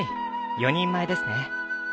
４人前ですね。